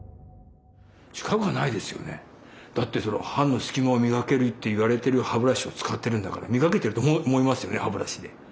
だって歯のすき間を磨けるといわれてる歯ブラシを使ってるんだから磨けてると思いますよね歯ブラシで。